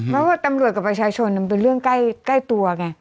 เพราะว่าตำรวจกับประชาชนมันเป็นเรื่องใกล้ตัวไง